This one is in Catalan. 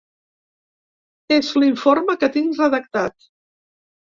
És l’informe que tinc redactat.